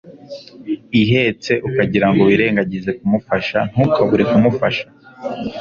ihetse ukagira ngo wirengagize kumufasha, ntukabure kumufasha.'»